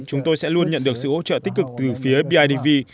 chúng tôi sẽ luôn nhận được sự hỗ trợ tích cực từ phía bidv